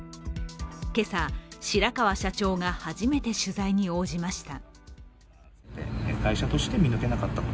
今朝、白川社長が初めて取材に応じました。